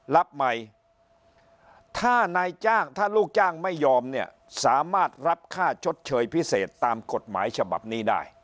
รับใหม่ถ้านายจ้างถ้าลูกจ้างไม่ยอมเนี่ยสามารถรับค่าชดเชยพิเศษตามกฎหมายฉบับนี้ได้